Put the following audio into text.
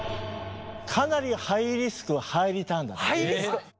かなりハイリスクハイリターンなんですね。